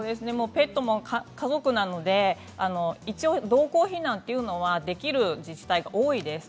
ペットも家族なので一応、同行避難というのはできる自治体が多いです。